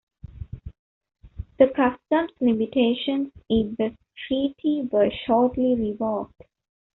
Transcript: The customs limitations in the treaty were shortly reworked.